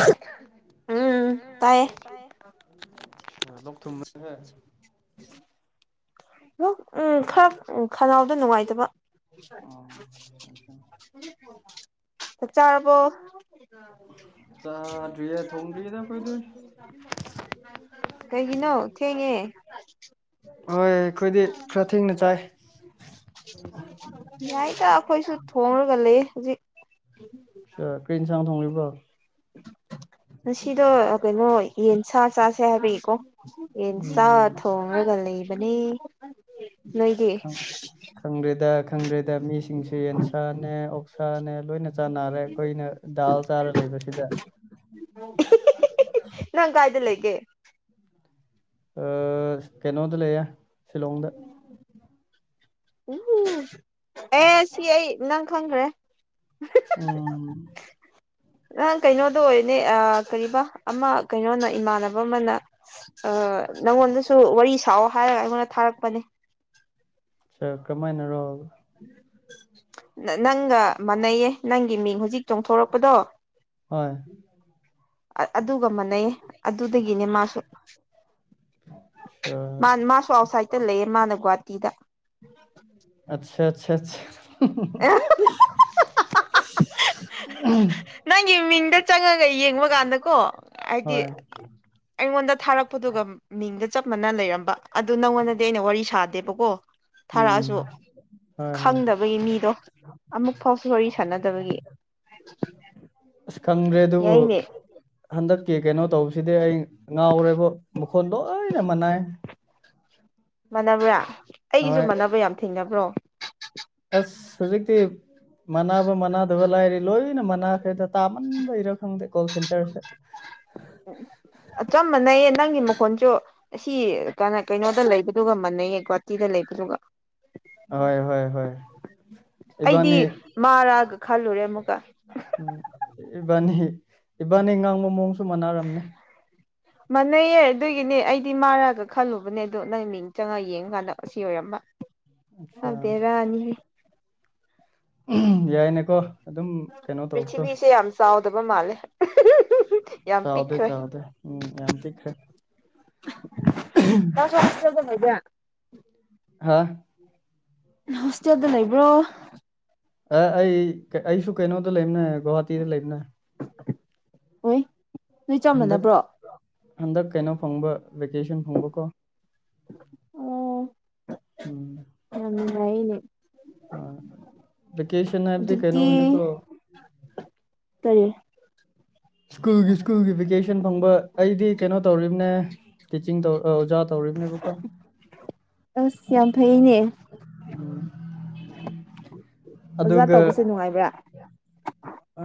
ꯣ ꯎ ꯎꯝ ꯇꯥꯏꯌꯦ ꯑ ꯂ ꯊꯨꯝ ꯎꯝ ꯈꯔ ꯈꯅꯥꯎꯗ ꯅꯨꯡꯉꯥꯏꯇꯕ ꯆꯔꯔꯕꯣ ꯑꯣ [unintelligible] ꯑꯩꯈꯣꯏꯗꯤ ꯀꯩꯒꯤꯅꯧ ꯊꯦꯡꯉꯦ ꯍꯣꯏ ꯑꯩꯈꯣꯏꯗꯤ ꯈꯔ ꯊꯦꯡꯅ ꯆꯥꯏ ꯌꯥꯏꯗ ꯑꯩꯈꯣꯏꯁꯨ ꯊꯣꯡꯉꯔꯒ ꯂꯩ ꯍꯧꯖꯤꯛ ꯀꯔꯤ ꯏꯟꯁꯥꯡ ꯊꯣꯡꯂꯤꯕ꯭ꯔꯣ ꯉꯗ ꯀꯩꯅꯣ ꯌꯦꯟ ꯁꯥ ꯆꯥꯁꯦ ꯍꯥꯏꯕꯤꯏꯀꯣ ꯌꯦꯟ ꯆꯥ ꯎꯝ ꯊꯣꯡꯉꯒ ꯂꯩꯕ ꯑꯅꯤ ꯂꯣꯏꯒꯦ ꯈꯪꯗ꯭ꯔꯦꯗ ꯈꯪꯗ꯭ꯔꯦꯗ ꯃꯤꯁꯤꯡꯁꯦ ꯌꯦꯟꯁꯥꯅꯦ ꯑꯣꯛꯁꯥꯅꯦ ꯂꯣꯏꯅ ꯆ ꯅꯥꯔꯦ ꯑꯩꯈꯣꯏꯅ ꯗꯥꯜ ꯆꯥꯔ ꯂꯩꯕꯁꯤꯗ ꯦ ꯑ ꯀꯩꯅꯣꯗ ꯂꯩꯌꯥ ꯁꯤꯂꯣꯡꯗ ꯎꯝ ꯑꯦ ꯁꯤ ꯑꯩ ꯅꯪ ꯈꯪꯗ꯭ꯔꯦ ꯎꯝ ꯅꯪ ꯀꯩꯅꯣꯗ ꯑꯣꯏꯅꯦ ꯑ ꯀꯕꯥ ꯑꯃ ꯀꯩꯅꯣꯅ ꯏꯃꯥꯟꯅꯕ ꯑꯃꯅ ꯅꯪꯉꯣꯟꯗꯁꯨ ꯋꯥꯔꯤ ꯁꯥꯑꯣ ꯍꯥꯏ ꯑꯩꯉꯣꯟꯗ ꯊꯥꯔꯛꯄꯅꯦ [unintelligible] ꯀꯃꯥꯏꯅ ꯔꯣ ꯅꯪ ꯃꯅꯌꯦꯦ ꯅꯪ ꯏ ꯃꯤ ꯆꯣꯡꯊꯣꯔꯛꯄꯗꯣ ꯍꯣꯏ ꯑꯗꯨꯒ ꯃꯥꯟꯅꯩꯌꯦ ꯑꯗꯨꯗꯒꯤꯅꯦ ꯃꯥꯁꯨ ꯃꯥ ꯁꯥꯔ ꯃꯥꯁꯨ ꯑꯥꯎꯠꯁꯥꯏꯗꯠꯇ ꯂꯩꯌꯦ ꯃꯥꯅ ꯒ ꯑꯆꯥ ꯑꯠꯆꯥ ꯑꯦ [unintelligible] ꯅꯪꯒꯤ ꯃꯤꯡꯗ ꯆꯪꯉꯒ ꯌꯦꯡꯕ ꯀꯥꯟꯗꯀꯣ ꯍꯥꯏꯗꯤ ꯍꯣꯏ ꯑꯩꯉꯣꯟꯗ ꯊꯥꯔꯛꯄꯗꯨꯒ ꯃꯤꯡꯗ ꯆꯞ ꯃꯥꯟꯅ ꯂꯩꯔꯝꯕ ꯑꯗꯨ ꯅꯪꯉꯣꯟꯗꯗꯤ ꯑꯩꯅ ꯋꯥꯔꯤ ꯁꯥꯗꯦꯕꯀꯣ ꯎꯝ ꯊꯥꯔꯛꯑꯁꯨ ꯍꯣꯏ ꯍꯣꯏ ꯈꯪꯗꯕꯒꯤ ꯃꯤꯗꯣ ꯑꯃꯨꯛ ꯐꯥꯎꯁꯨ ꯋꯥꯔꯤ ꯁꯥꯟꯅꯗꯕꯒꯤ ꯑꯁ ꯈꯪ꯭ꯔꯦ ꯑꯗꯨ ꯌꯥꯏꯅꯦ ꯍꯟꯗꯛ ꯀ ꯀꯩꯅꯣ ꯇꯧꯕꯁꯤꯗꯤ ꯑꯩ ꯉꯥꯎꯔꯦꯕ ꯃꯈꯣꯟ ꯂꯣꯏꯅ ꯃꯅꯥꯏ ꯃꯥꯟꯅꯕ꯭ꯔꯥ ꯑꯩꯒꯤꯁꯨ ꯍꯣꯏ ꯃꯥꯟꯅꯕ꯭ꯔꯥ ꯌꯥꯝ ꯊꯦꯡꯅꯕ꯭ꯔꯣ ꯑꯁ ꯍꯧꯖꯤꯛꯇꯤ ꯃꯅꯥꯕ ꯃꯅꯥꯗꯕ ꯂꯥꯏꯔꯤ ꯂꯣꯏꯅ ꯃꯅꯥꯈꯦꯗ ꯇꯥꯃꯟꯕꯣꯏꯔꯥ ꯈꯪꯗꯦ ꯀꯣꯜ ꯁꯦꯟꯇꯔꯁꯦ ꯑ ꯆꯞ ꯃꯥꯟꯅꯩꯌꯦ ꯅꯪꯒꯤ ꯃꯈꯣꯟꯁꯨ ꯑꯁꯤ ꯀ ꯀꯩꯅꯣꯗ ꯂꯩꯕꯗꯨꯒ ꯃꯥꯟꯅꯩꯌꯦ ꯒꯨꯍꯥꯇꯤꯗ ꯂꯩ ꯌꯦꯔꯒ ꯍꯣꯏ ꯍꯣꯏ ꯍ ꯑꯩꯗꯤ ꯃꯥꯔꯛꯑꯒ ꯈꯜꯂꯨꯔꯦ ꯑꯃꯨꯛꯀ ꯎꯝ ꯏꯕꯥꯅꯤ ꯏꯕꯥꯅꯤ ꯉꯥꯡꯕ ꯃꯑꯣꯁꯨ ꯃꯥꯟꯅꯔꯝꯅꯦ ꯃꯥꯟꯅꯩꯌꯦ ꯑꯗꯨꯒꯤꯅꯦ ꯑꯩꯗꯤ ꯃꯥꯔꯛꯑꯒ ꯈꯜꯂꯨꯕꯅꯦ ꯑꯗꯨꯗ ꯅꯪ ꯃꯤꯡ ꯆꯪꯉꯒ ꯌꯦꯡꯀꯥꯟꯗ ꯑꯁꯤ ꯑꯣꯏꯔꯝꯕ ꯑꯠꯆꯥ ꯑꯗꯨꯗꯦ ꯔꯅꯤ ꯎꯝ ꯄ꯭ꯔꯤꯊꯤꯕꯤꯁꯦ ꯌꯥꯝ ꯆꯥꯎꯗꯕ ꯃꯥꯜꯂꯦ ꯌꯥꯝ ꯆꯥꯎꯗꯦ ꯄꯤꯛꯈ꯭ꯔꯦ ꯆꯥꯎꯥꯗꯦ ꯎꯝ ꯌꯥꯝ ꯊꯤꯈ꯭ꯔꯦ ꯇꯁ ꯋꯥ ꯆ ꯑꯗꯨꯗ ꯍꯥꯥ ꯍꯣꯁꯇꯦꯜꯗ ꯂꯩꯕ꯭ꯔꯣ ꯑ ꯑꯩ ꯑꯩꯁꯨ ꯀꯩꯅꯣꯗ ꯂꯩꯕꯅꯦ ꯒꯋꯥꯍꯥꯇꯤꯗ ꯂꯩꯕꯅꯦ ꯍꯣꯏ ꯅꯣꯏ ꯍꯟꯗꯛ ꯆꯝꯅꯅꯕ꯭ꯔꯣ ꯍꯟꯗꯛ ꯀꯩꯅꯣ ꯐꯪꯕ ꯚꯦꯀꯦꯁꯟ ꯐꯪꯕꯀꯣ ꯑꯣ ꯌꯥꯝꯥꯏꯅꯦ ꯂꯦꯀꯦꯁꯟ ꯍꯥꯏꯕꯗꯤ ꯀꯩꯅꯩꯅꯣꯅꯤꯀ꯭ꯔꯣ ꯇꯔꯤꯌꯦ ꯁ꯭ꯀꯨꯜꯒꯤ ꯁ꯭ꯀꯨꯜꯒꯤ ꯚꯦꯀꯦꯁꯟ ꯐꯪꯕ ꯑꯩꯗꯤ ꯀꯩꯅꯣ ꯇꯧꯔꯤꯕꯝꯅꯦ ꯇꯤꯆꯤꯡ ꯇꯧ ꯑꯣꯖꯥ ꯇꯧꯔ ꯅꯦꯕ ꯀꯣ ꯑꯁ ꯌꯥꯝ ꯐꯩꯅꯦ ꯑꯣꯖꯥ ꯑꯗꯨꯒ ꯇꯧꯕꯁꯦ ꯅꯨꯡꯉꯥꯏꯕ꯭ꯔꯥ ꯑ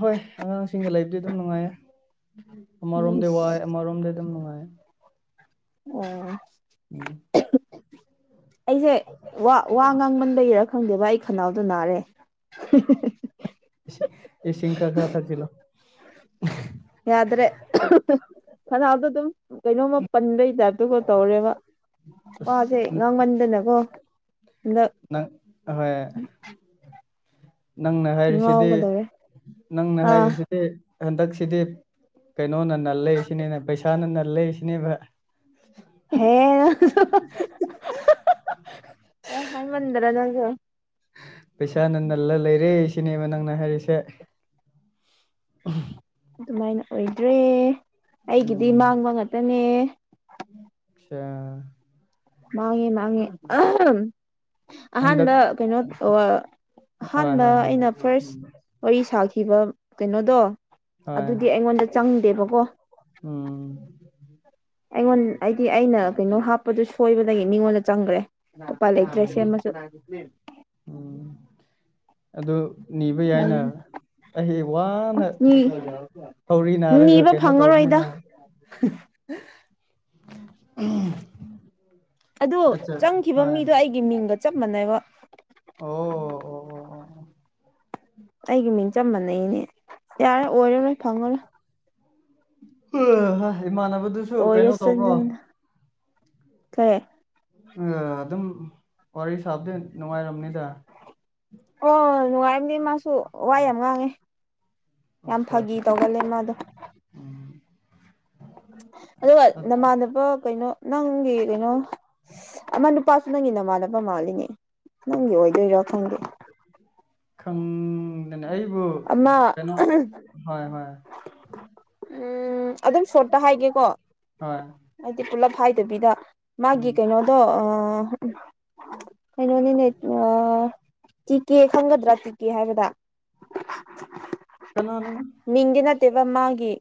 ꯍꯣꯏ ꯑꯉꯥꯡꯁꯤꯡꯒ ꯂꯩꯕꯗꯤ ꯑꯗꯨꯝ ꯅꯨꯡꯉꯥꯏꯌꯦ ꯎꯝ ꯑꯃꯔꯣꯝꯗ ꯋꯥꯏ ꯑꯃꯔꯣꯝꯗ ꯑꯗꯨꯝ ꯅꯨꯡꯉꯥꯏ ꯑꯣ ꯎꯝ ꯑꯩꯁꯦ ꯋꯥ ꯋꯥ ꯉꯥꯡꯃꯟꯗ ꯏꯔ ꯈꯪꯗꯦꯕ ꯑꯩ ꯈꯅꯥꯎꯗꯣ ꯅꯥꯔꯦ ꯁꯤꯈꯥ ꯈꯔ ꯊꯥꯂ ꯌꯥꯗ꯭ꯔꯦ ꯐꯅꯥꯗꯣ ꯑꯗꯨꯝ ꯀꯩꯅꯣꯝꯃ ꯄꯟꯕꯩ ꯗꯗꯨꯒ ꯇꯧꯔꯦꯕ ꯋꯥꯁꯦ ꯑꯁ ꯉꯥꯡꯃꯟꯗꯅꯀꯣ ꯍꯟꯗꯛ ꯅꯪ ꯍꯣꯏ ꯅꯪꯅ ꯍꯥꯏꯔꯤꯁꯤꯗꯤ ꯉꯥꯎꯒꯗꯧꯔꯦ ꯅꯪꯅ ꯑꯥ ꯍꯥꯏꯔꯤꯁꯤꯗꯤ ꯍꯟꯗꯛꯁꯤꯗꯤ ꯅꯣ ꯅꯟꯅꯂ ꯏꯁꯤꯅꯤ ꯅ ꯕꯤꯁꯥ ꯅꯟꯂ ꯏꯁꯤꯅꯤ ꯍꯦ ꯑ ꯍꯅ ꯃꯗꯔ ꯅꯁꯨꯣ ꯄꯩꯁꯥ ꯅꯟꯗꯜꯂ ꯂꯩꯔꯦ ꯁꯤꯅꯦꯃꯥ ꯅꯪꯅ ꯍꯥꯏꯔꯤꯁꯦ ꯑꯗꯨꯃꯥꯏꯅ ꯑꯣꯏꯗ꯭ꯔꯦ ꯑꯩꯒꯤꯗꯤ ꯎꯝ ꯃꯥꯡꯕ ꯉꯥꯛꯇꯅꯦ ꯑꯆꯥ ꯃꯥꯡꯉꯤ ꯃꯥꯡꯉꯤ ꯑ ꯍꯟꯗꯛ ꯑꯍꯥꯟꯕ ꯀꯩꯅꯣ ꯍꯣꯏ ꯑꯍꯥꯟꯕ ꯍꯣꯏ ꯍꯣꯏ ꯑꯩꯅ ꯐꯥꯔꯁ ꯋꯥꯔꯤ ꯁꯥꯈꯤꯕ ꯀꯩꯅꯣꯗꯣ ꯍꯣꯏ ꯑꯗꯨꯗꯤ ꯑꯩꯉꯣꯟꯗ ꯆꯪꯗꯦꯕꯀꯣ ꯎꯝ ꯑꯩꯉꯣꯟ ꯍꯥꯏꯗꯤ ꯑꯩꯅ ꯀꯩꯅꯣ ꯍꯥꯞꯄꯗꯨ ꯁꯣꯏꯕꯗꯒꯤ ꯃꯤꯉꯣꯟꯗ ꯆꯪꯈ꯭ꯔꯦ ꯎꯝ ꯄꯂꯩꯇ꯭ꯔꯁꯤꯃꯁꯨ ꯎꯝ ꯑꯗꯨ ꯅꯤꯕ ꯌꯥꯏꯅ ꯑꯩ ꯋꯥꯅ ꯎꯝ ꯍꯧꯧꯔꯤ ꯅꯥꯔꯒ ꯅꯤꯕ ꯀꯩꯅꯣ ꯐꯪꯉꯔꯣꯏꯗ ꯇꯧꯅꯤꯅ ꯎꯝ ꯑꯗꯨ ꯆꯪꯈꯤꯕ ꯃꯤꯗꯣ ꯑꯩꯒꯤ ꯃꯤꯡꯒ ꯆꯞ ꯃꯥꯟꯅꯦꯕ ꯑꯣ ꯑꯣ ꯑꯣ ꯑꯣ ꯑꯩꯒꯤ ꯃꯤꯡ ꯆꯝꯕꯅꯩꯅꯦ ꯌꯥꯔꯦ ꯑꯣꯏꯔꯣ ꯂꯣꯏ ꯐꯪꯉꯔꯣꯏ ꯎ ꯍꯣꯏ ꯏꯃꯥꯟꯅꯕꯗꯨꯁꯨ ꯀꯩꯅꯣ ꯇꯧꯕ꯭ꯔꯣ ꯈꯔꯦ ꯑ ꯑꯗꯨꯝ ꯋꯥꯔꯤ ꯁꯥꯕꯗꯤ ꯅꯨꯡꯉꯥꯏꯔꯝꯅꯤ ꯑꯣ ꯅꯨꯡꯉꯥꯏꯔꯝꯅꯤ ꯃꯥꯁꯨ ꯋꯥ ꯌꯥꯝ ꯉꯥꯡꯉꯦ ꯌꯥꯝ ꯑꯆꯥ ꯐꯥꯒꯤ ꯇꯧꯒꯜꯂꯦ ꯃꯥꯗꯣ ꯎꯝ ꯑꯗꯨꯒ ꯅꯃꯥꯟꯅꯕ ꯀꯩꯅꯣ ꯅꯪꯒꯤ ꯀꯩꯅꯣ ꯑꯃ ꯅꯨꯄꯥ ꯅꯪꯒꯤ ꯅꯃꯥꯟꯅꯕ ꯃꯥꯜꯂꯤꯅꯦ ꯅꯪꯒꯤ ꯑꯣꯏꯗꯣꯏꯔꯣ ꯈꯪꯒꯤꯦ ꯈꯪꯗꯅꯦ ꯑꯩꯕꯨ ꯑꯃ ꯀꯩꯅꯣ ꯍꯣꯏ ꯍꯣꯏ ꯎꯝ ꯑꯗꯨꯝ ꯁꯣꯔꯠꯇ ꯍꯥꯏꯒꯦꯀꯣ ꯍꯣꯏ ꯍꯥꯏꯗꯤ ꯄꯨꯂꯞ ꯍꯥꯏꯗꯕꯤꯗ ꯃꯥꯒꯤ ꯎꯝ ꯀꯩꯅꯣꯗꯣ ꯀꯩꯅꯣꯅꯤꯅꯦ ꯆꯤꯀꯦ ꯈꯪꯒꯗ꯭ꯔꯥ ꯇꯤꯀꯦ ꯍꯥꯏꯕꯗ ꯀꯅꯥꯅꯦ ꯃꯤꯡꯗꯤ ꯅꯠꯇꯦꯕ ꯃꯥꯒꯤ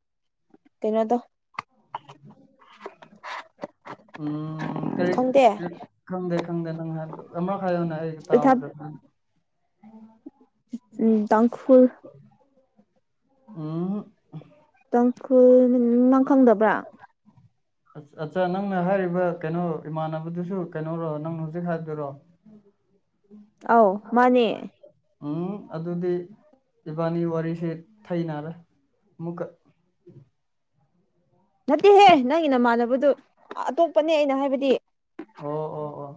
ꯀꯩꯅꯣꯗꯣ ꯎꯝ ꯀꯔꯤ ꯈꯪꯗꯦ ꯈꯪꯗꯦ ꯈꯪꯗꯦꯪ ꯑꯃ ꯈꯥꯏꯣꯅꯦ ꯑꯩ ꯄ꯭ꯔꯤꯊꯥꯞ ꯇꯥꯎ꯭ꯔ ꯎꯝ ꯗꯪ ꯐꯜ ꯎꯝ ꯈꯜ ꯈꯪꯗꯕ꯭ꯔꯥ ꯑꯠꯆꯥ ꯅꯪꯅ ꯍꯥꯏꯔꯤꯕ ꯀꯩꯅꯣ ꯏꯃꯥꯟꯅꯕꯗꯨꯁꯨ ꯀꯩꯅꯔꯣ ꯅꯪꯅ ꯍꯧꯖꯤꯛ ꯍꯥꯏꯗꯔꯣ ꯎꯝ ꯑꯥꯎ ꯃꯥꯅꯦ ꯎꯝ ꯑꯗꯨꯗꯤ ꯏꯕꯥꯅꯤ ꯋꯥꯔꯤꯁꯤ ꯊꯅꯔꯦ ꯃꯨꯛꯀ ꯅꯠꯇꯦꯍꯦ ꯅꯪꯒꯤ ꯅꯃꯥꯟꯅꯕꯗꯨ ꯑꯇꯣꯞꯄꯅꯦ ꯑꯩꯅ ꯍꯥꯏꯕꯗꯤ ꯑꯣ ꯑꯣ ꯑꯣ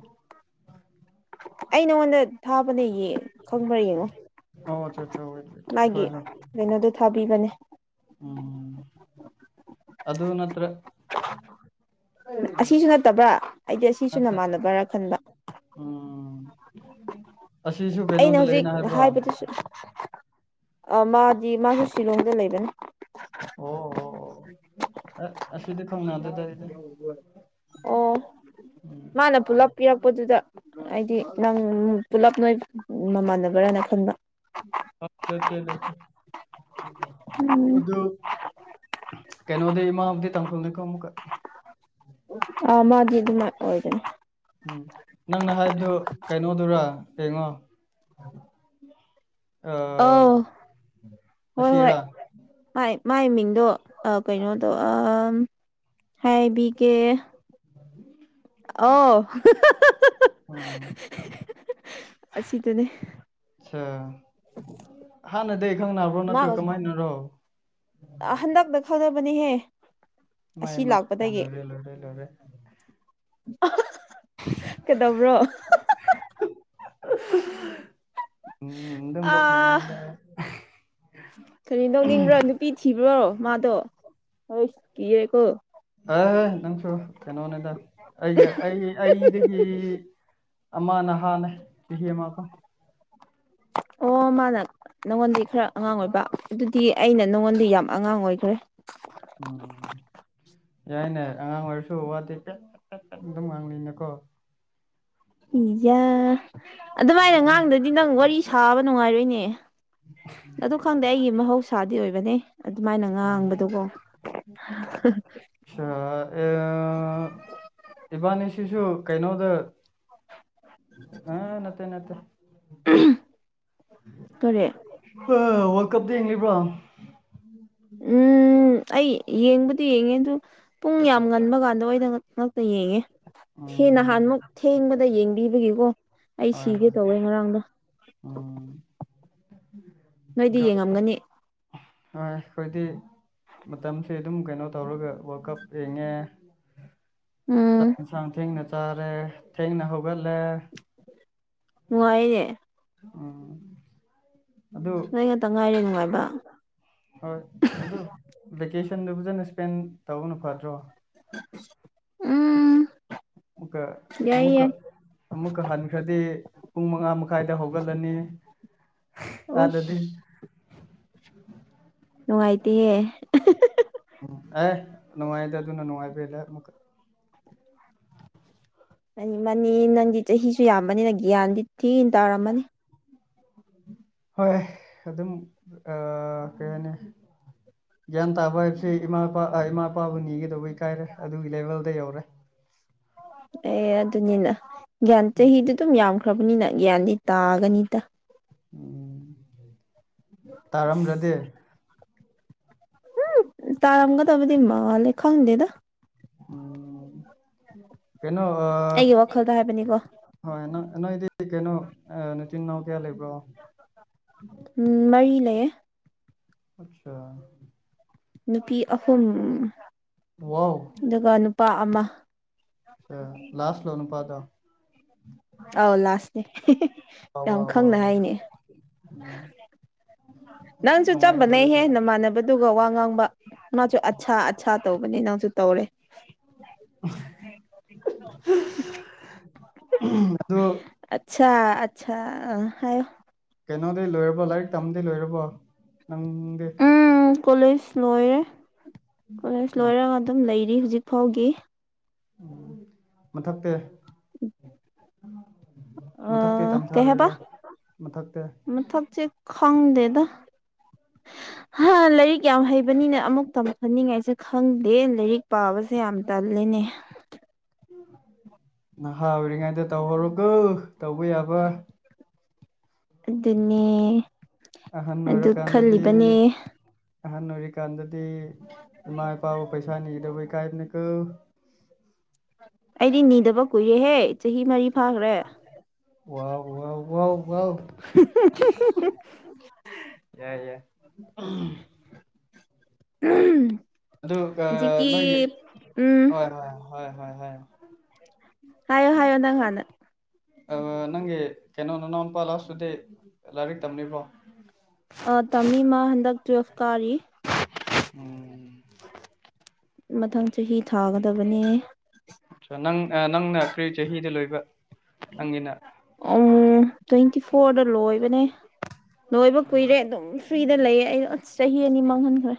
ꯑꯩ ꯅꯉꯣꯟꯗ ꯊꯥꯕꯅꯦ ꯈꯪꯕ꯭ꯔꯥ ꯌꯦꯡꯉꯣ ꯑꯣ ꯑ ꯑꯆꯥ ꯍ ꯃꯥꯒꯤ ꯍ ꯀꯩꯅꯣꯗꯣ ꯊꯥꯕꯤꯕꯅꯦ ꯎꯝ ꯑꯗꯨꯗ ꯅꯠꯇ꯭ꯔ ꯑꯁꯤꯁꯨ ꯅꯠꯇꯕ꯭ꯔꯥ ꯑꯩꯗꯤ ꯑꯁꯤꯁꯨ ꯅꯠꯇ꯭ꯔ ꯅꯃꯥꯟꯅꯕ꯭ꯔ꯭ꯔꯥ ꯈꯟꯕ ꯎꯝ ꯑꯁꯤꯁꯨ ꯑꯩꯅ ꯀꯩꯅꯣꯗ ꯍꯧꯖꯤꯛ ꯂꯩꯅ ꯍꯥꯏꯕ꯭ꯔꯣ ꯑꯣ ꯍꯥꯏꯕꯗꯨꯁꯨ ꯃꯥꯗꯤ ꯃꯥꯁꯨ ꯁꯤꯂꯣꯡꯗ ꯂꯩꯕꯅꯦ ꯑ ꯑ ꯑꯣ ꯃꯥꯅ ꯄꯨꯂꯞ ꯄꯤꯔꯛꯄꯗꯨꯗ ꯍꯥꯏꯗꯤ ꯅꯪ ꯄꯨꯜꯂꯞ ꯅꯣꯏ ꯃꯃꯥꯟꯅꯕ꯭ꯔꯅ ꯈꯟꯕ ꯑꯁ ꯆꯦ ꯎꯝ ꯀꯩꯅꯩꯅꯣꯗꯤ ꯏꯃꯗꯤ ꯇꯥꯡꯈꯣꯟꯅꯤ ꯀꯃ ꯀ ꯑꯥ ꯃꯥꯗꯤ ꯑꯗꯨꯃꯥꯏ ꯑꯣꯏꯗꯅꯤ ꯎꯝ ꯅꯪꯅ ꯍꯥꯏꯕꯗꯨ ꯀꯩꯅꯣꯗꯨꯔ ꯌꯦꯡꯉꯣ ꯑꯧ ꯍꯣꯏ ꯑꯁꯤ ꯍꯣꯏ ꯏꯔꯥ ꯃꯥꯏ ꯃꯥꯏ ꯃꯤꯡꯗꯣ ꯀꯩꯅꯣ ꯇꯧ ꯑ ꯍꯥꯏꯕꯤꯒꯦ ꯑ ꯎꯝ ꯑꯁꯤꯗꯨꯅꯦ ꯑꯆꯥ ꯍꯥꯟꯅꯗꯒꯤ ꯑꯩ ꯈꯪꯅꯅꯕ꯭ꯔꯣ ꯅꯠꯇ꯭ꯔꯣ ꯃꯥꯒꯁꯨ ꯀꯃꯥꯏꯅꯔꯣ ꯍꯟꯗꯛꯇ ꯈꯪꯗꯕꯅꯤꯍꯦ ꯃꯥꯏꯥꯏ ꯂꯦ ꯂꯦ ꯂꯔꯦ ꯀꯩꯗꯧꯕ꯭ꯔꯣ ꯎꯝ ꯑꯥ ꯑꯗꯨꯝꯖꯣꯛꯅꯦꯅꯗ ꯀꯔꯤ ꯅꯧꯅꯤꯡꯕ꯭ꯔꯥ ꯅꯨꯄꯤ ꯊꯤꯕ꯭ꯔꯣ ꯃꯥꯗꯣ ꯍꯣꯏ ꯀꯤꯔꯦꯀꯣ ꯑꯦꯍꯦ ꯅꯪꯁꯨ ꯀꯩꯅꯣꯅꯤꯗ ꯑꯩꯒ ꯑꯩ ꯑꯩꯗꯒꯤ ꯑꯃ ꯅꯍꯥꯟꯅꯦ ꯆꯍꯤ ꯑꯃꯀꯣ ꯑꯣ ꯃꯥꯅ ꯅꯪꯉꯣꯟꯗꯤꯩ ꯈꯔ ꯑꯉꯥꯡ ꯑꯣꯏꯕ ꯑꯗꯨꯗꯤ ꯑꯩꯅ ꯅꯪꯉꯣꯟꯗꯤ ꯌꯥꯝ ꯑꯉꯥꯡ ꯑꯣꯏꯈ꯭ꯔꯦ ꯎꯝ ꯌꯥꯏꯅꯦ ꯑꯉꯥꯡ ꯑꯣꯏꯔꯁꯨ ꯋꯥꯗꯦ ꯄ ꯄ ꯑꯗꯨꯝ ꯉꯥꯡꯂꯤꯅꯦꯀꯣ ꯏꯤꯖ ꯑꯗꯨꯃꯥꯏꯅ ꯉꯉꯥꯡꯗꯗꯤ ꯅꯪ ꯋꯥꯔꯤ ꯁꯥꯕ ꯅꯨꯡꯉꯥꯏꯔꯣꯏꯅꯦ ꯑꯗꯨ ꯈꯪꯗꯦ ꯑꯩꯒꯤ ꯃꯍꯧꯁꯥꯗꯤ ꯑꯣꯏꯕꯅꯦ ꯑꯗꯨꯃꯥꯏꯅ ꯉꯥꯡꯕꯗꯨꯀꯣ ꯑꯆꯥ ꯑ ꯏꯕꯥꯅꯤ ꯁꯤꯁꯨ ꯀꯩꯅꯣꯗ ꯑ ꯅꯠꯇꯦ ꯅꯠꯇꯦ [inaudible] ꯀꯔꯤ ꯑ ꯋꯥꯔꯜ ꯀꯞꯗ ꯄ꯭ꯔꯥ ꯎꯝ ꯑꯩ ꯌꯦꯡꯕꯗꯤ ꯌꯦꯡꯉꯦ ꯑꯗꯨ ꯄꯨꯡ ꯌꯥꯝ ꯉꯟꯕ ꯀꯥꯟꯗ ꯑꯣꯏꯅ ꯌꯦꯌꯦꯦ ꯊꯦ ꯎꯝ ꯅꯍꯥꯟꯃꯨꯛ ꯊꯦꯡꯕꯗ ꯌꯦꯡꯕꯤꯕꯒꯤꯀꯣ ꯑꯩ ꯍꯣꯏ ꯁꯤꯒꯦ ꯍꯣꯏ ꯇꯧꯋꯦ ꯉꯔꯥꯡꯗꯣ [inaudible] ꯎꯝ ꯅꯣꯏꯗꯤ ꯀ- ꯌꯦꯡꯉꯝꯒꯅꯤ ꯍꯣꯏ ꯑꯩꯈꯣꯏꯗꯤ ꯃꯇꯝꯁꯤ ꯑꯗꯨꯝ ꯀꯩꯅꯣ ꯇꯧꯔꯒ ꯋꯥꯔ ꯀꯞ ꯌꯦꯡꯉꯦ ꯎꯝ ꯆꯁꯥꯡ ꯊꯦꯡꯅ ꯇꯔꯦ ꯏ ꯊꯦꯡꯅ ꯍꯒꯂ ꯅꯨꯡꯉꯥꯏꯅꯦꯦ ꯑꯗꯨ ꯅ ꯈꯛꯇ ꯉꯥꯏꯔꯤꯦ ꯅꯨꯡꯉꯥꯏꯕ ꯍꯣꯏ ꯑꯗꯨ ꯚꯦꯀꯦꯁꯟꯗꯨ ꯐꯖꯅ ꯏꯁꯄꯦꯟ ꯇꯧꯕꯅ ꯐꯠꯇ꯭ꯔꯣ ꯎꯝ ꯌꯥꯏ ꯀꯃꯨꯀ ꯌꯥꯏ ꯑꯃꯨꯛꯀ ꯍꯟꯈ꯭ꯔꯗꯤ ꯄꯨꯡ ꯃꯉꯥ ꯃꯈꯥꯏꯗ ꯍꯧꯒꯠꯂꯅꯤ ꯑꯗꯗꯤ ꯎꯁ ꯅꯨꯡꯥꯏꯇꯍꯦ ꯎꯝ ꯑꯦ ꯅꯨꯡꯉꯥꯏꯗꯦ ꯑꯗꯨꯅ ꯅꯨꯡꯉꯥꯏꯕꯦꯜꯂꯦ ꯑꯃꯨꯛꯀ ꯃꯅꯤ ꯅꯪꯗꯤ ꯆꯍꯤꯁꯨ ꯌꯥꯝꯕꯅꯤꯅ ꯒ꯭ꯌꯥꯟꯗꯤ ꯊꯤꯅ ꯇꯧꯔꯝꯃꯅꯤ ꯍꯣꯏ ꯑꯗꯨꯝ ꯑ ꯀꯩ ꯍꯥꯏꯅꯤ ꯒ꯭ꯌꯥꯟ ꯇꯥꯕ ꯍꯥꯏꯕꯁꯤ ꯏꯃꯥꯄꯥ ꯏꯃꯥ ꯏꯄꯥꯕꯨ ꯅꯤꯒꯗꯧꯕꯩ ꯀꯥꯏꯔꯦ ꯑꯗꯨꯒꯤ ꯂꯦꯚꯦꯜꯗ ꯌꯧꯔꯦ ꯎ ꯑꯦ ꯑꯗꯨꯅꯤꯅ ꯒ꯭ꯌꯥꯟ ꯆꯍꯤꯗ ꯑꯗꯨꯝ ꯌꯥꯝꯈ꯭ꯔꯕꯅꯤꯅ ꯒ꯭ꯌꯥꯅꯤ ꯇꯥꯒꯅꯤꯗ ꯎꯝ ꯇꯥꯔꯝꯗ꯭ꯔꯗꯤ ꯎ ꯇꯥꯔꯪꯒ ꯇꯕꯗꯤ ꯃꯥ ꯂꯦ ꯈꯥ ꯍꯗꯦꯗ ꯎ ꯀꯩꯅꯣ ꯑ ꯑꯩꯒꯤ ꯋꯥꯈꯜꯗ ꯍꯥꯏꯕꯅꯤꯀꯣ ꯍꯅ ꯅꯣꯏꯗꯤ ꯀꯩꯅꯣ ꯅꯨꯡꯇꯤꯟ ꯅꯥꯎ ꯀꯌꯥ ꯂꯩꯕ꯭ꯔꯣ ꯀ ꯑꯆꯥ ꯅꯨꯄꯤ ꯑꯍꯨꯝ ꯋꯥꯎ ꯑꯗꯨꯒ ꯅꯨꯄꯥ ꯑꯃ ꯂꯥꯁ ꯂꯅ ꯄꯥꯇꯣ ꯑꯧ ꯂꯥꯁꯅꯦ ꯌꯥꯝ ꯈꯪꯅ ꯑ ꯍꯥꯏꯅꯦ ꯑ ꯎꯝ ꯅꯪꯁꯨ ꯆꯞꯄꯅꯦꯩ ꯅꯨꯡꯉꯥꯏꯗꯧꯔꯦꯗ ꯍꯦꯟꯅ ꯃꯥꯟꯅꯕꯗꯨꯒ ꯋꯥ ꯉꯥꯡꯕ ꯅꯁꯨ ꯑꯆꯥꯥ ꯑꯠꯆꯥ ꯇꯧꯕꯅꯦ ꯅꯪꯁꯨ ꯇꯧꯔꯦ ꯑꯗꯣ ꯑ ꯑꯆꯥ ꯍꯥꯏ ꯀꯩꯅꯣꯗꯤ ꯂꯣꯏꯔꯕꯣ ꯂꯥꯏꯔꯤꯛ ꯇꯝꯕꯗꯤ ꯂꯣꯏꯔꯕꯣ ꯅꯪꯗꯤ ꯎꯝ ꯀꯣꯂꯦꯖ ꯂꯣꯏꯔꯦ ꯀꯣꯂꯦꯖ ꯂꯣꯏꯔꯒ ꯑꯗꯨꯝ ꯂꯩꯔꯤ ꯍꯧꯖꯤꯛ ꯐꯥꯎꯒꯤ ꯎ ꯃꯊꯛꯇ ꯀꯩ ꯍꯥꯏꯕꯥ ꯃꯊꯛꯇꯤ ꯃꯊꯛ ꯆꯦꯛ ꯈꯪ ꯗꯦꯗ ꯍꯥ ꯂꯥꯏꯔꯤꯛ ꯌꯥꯝ ꯍꯩꯕꯅꯤꯅ ꯑꯃꯨꯛ ꯇꯝꯍꯟꯅꯤꯡꯉꯥꯏꯁꯦ ꯈꯪꯗꯦ ꯂꯥꯏꯔꯤꯛ ꯄꯥꯕ ꯁ ꯌꯥꯝ ꯇꯜꯂꯤꯅꯦ ꯅꯍꯥ ꯑꯣꯏꯔꯤꯉꯩꯗ ꯇꯧꯍꯧꯔꯣꯒ ꯇꯧꯕ ꯌꯥꯕ ꯑꯗꯨꯅꯦ ꯑꯍꯟ ꯑꯗꯨ ꯈꯜꯂꯤꯕꯅꯦ ꯑꯣꯏꯔꯀꯥꯟꯗꯗꯤ ꯑꯍꯟ ꯑꯣꯏꯔꯤꯀꯥꯟꯗꯗꯤ ꯏꯃꯥ ꯏꯄꯥꯕꯨ ꯄꯩꯁꯥ ꯅꯤꯗꯕ ꯏ ꯀꯥꯏꯕꯅ ꯀ ꯑꯩꯗꯤ ꯅꯤꯗꯕ ꯀꯨꯏꯔꯦꯍꯦ ꯆꯍꯤ ꯃꯔꯤ ꯐꯥꯈ꯭ꯔꯦ ꯋꯥꯎ ꯋꯥꯎ ꯋꯥꯎ ꯋꯥꯎ ꯌꯥꯏ ꯌꯥꯏ [unintelligible] ꯑꯗꯨ ꯍꯧꯖꯤꯛꯇꯤ ꯅꯣꯏꯒꯤ ꯎꯝ ꯍꯣꯏ ꯍꯣꯏ ꯍꯣꯏ ꯍꯣꯏ ꯍꯣꯏ ꯍꯥꯏꯌꯣ ꯍꯥꯏꯌꯣ ꯅꯪ ꯀꯥꯟꯅ ꯅꯪꯒꯤ ꯀꯩꯅꯣ ꯅꯅꯥꯎ ꯅꯨꯨꯄꯥ ꯂꯥꯁ ꯇꯨꯗꯗꯤ ꯂꯥꯏꯔꯤꯛ ꯇꯝꯕꯣ ꯇꯥꯝꯃꯤꯃ ꯍꯟꯗꯛ ꯇꯨꯋꯜꯐ ꯀꯥꯔꯤ [unintelligible] ꯃꯊꯪ ꯆꯍꯤ ꯊꯥꯒꯗꯕꯅꯤ ꯑꯠꯆꯥ ꯅꯪ ꯅꯪꯅ ꯀꯔꯤ ꯆꯍꯤꯗ ꯂꯣꯏꯕ ꯅꯪꯒꯤꯅ ꯎ ꯇ꯭ꯋꯦꯟꯇꯤ ꯐꯣꯔꯗ ꯂꯣꯏꯕꯅꯦ ꯅꯣꯏꯕ ꯀꯨꯏꯔꯦ ꯑꯗꯨꯝ ꯐ꯭ꯔꯤꯗ ꯂꯩꯌꯦ ꯑꯩ ꯑꯁ ꯆꯍꯤ ꯑꯅꯤ ꯃꯥꯡꯍꯟꯈ꯭ꯔꯦ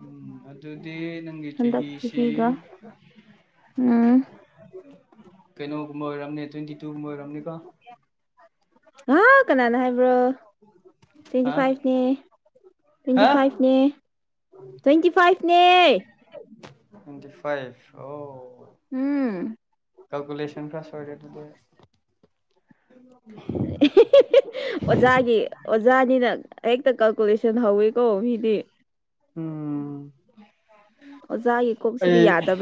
ꯎꯝ ꯑꯗꯨꯗꯤ ꯅꯪꯒꯤ ꯍꯟꯗꯛ ꯆꯍꯤꯁꯤ ꯆꯍꯤꯒ ꯎꯝ ꯀꯩꯅꯣꯒꯨꯝꯕ ꯑꯣꯏꯔꯝꯅꯦ ꯇ꯭ꯋꯦꯟꯇꯤ ꯇꯨꯒꯨꯝꯕ ꯑꯣꯏꯔꯝꯅꯤꯀꯣ ꯍꯥ ꯀꯅꯥꯅ ꯍꯥꯏꯕ꯭ꯔꯣ ꯇ꯭ꯋꯦꯟꯇꯤ ꯍꯥ ꯐꯥꯏꯚꯅꯦ ꯇ꯭ꯋꯦꯟꯇꯤ ꯍꯥ ꯐꯥꯏꯚꯅꯦ ꯇ꯭ꯋꯦꯟꯇꯤ ꯐꯥꯏꯚ [unintelligible] ꯇꯋꯦꯟꯇꯤ ꯐꯥꯏꯚ ꯑꯣ ꯎꯝ ꯀꯜꯀꯨꯂꯦꯁꯟ ꯈ ꯁꯣꯏꯔꯗꯤ ꯑꯣꯖꯥꯒꯤ ꯑꯣꯖꯥꯅꯤꯅ ꯍꯦꯛꯇ ꯀꯂꯦꯁꯟ ꯍꯧꯋꯦꯀꯣ ꯃꯤꯗꯤ ꯎꯝ ꯑꯣꯖꯥꯒꯤꯀꯣꯛ ꯁꯤꯗꯤ ꯑꯩ ꯌꯥꯗꯕ